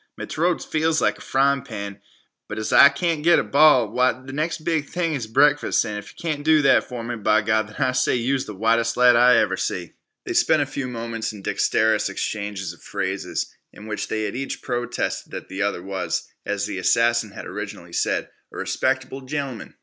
Me t'roat feels like a fryin' pan. But as I can't get a ball, why, th' next bes' thing is breakfast, an' if yeh do that for me, b'Gawd, I say yeh was th' whitest lad I ever see." They spent a few moments in dexterous exchanges of phrases, in which they each protested that the other was, as the assassin had originally said, "a respecter'ble gentlem'n."